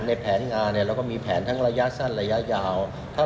ในแผนงานเราก็มีแผนทั้งระยะสั้นระยะยาว